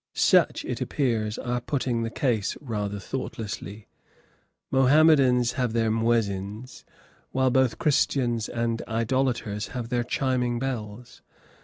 Such, it appears, are putting the case rather thoughtlessly. Mohammedans have their muezzins, while both Christians and idolaters have their chiming bells.